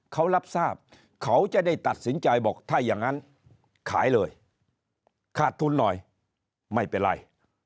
เขารับทราบเขาจะได้ตัดสินใจบอกถ้าอย่างนั้นขายเลยขาดทุนหน่อยไม่เป็นไร